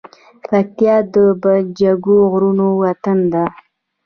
پکتیا د جګو غرو وطن ده .